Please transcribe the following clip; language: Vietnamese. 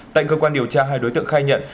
tại cơ quan điều tra hai đối tượng khai nhận